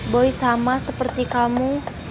boy sama seperti kamu